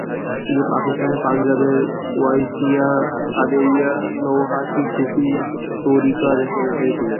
তিনি পাকিস্তানের পাঞ্জাবের ওয়াইসিয়া কাদেরিয়া নওশাহি সুফি ত্বরিকার অনুসারী ছিলেন।